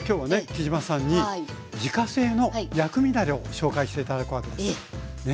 杵島さんに自家製の薬味だれをご紹介して頂くわけです。